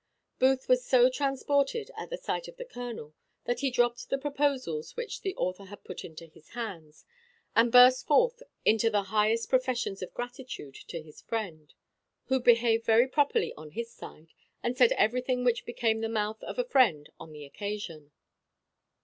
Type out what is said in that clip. Booth was so transported at the sight of the colonel, that he dropt the proposals which the author had put into his hands, and burst forth into the highest professions of gratitude to his friend; who behaved very properly on his side, and said everything which became the mouth of a friend on the occasion.